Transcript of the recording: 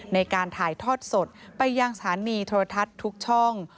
ในการถ่ายทอดสดไปยังสถานีโทรทัศน์ทุกช่อง